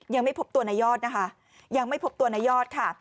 ยังไม่พบตัวนายยอดนะคะยังไม่พบตัวนายยอดค่ะ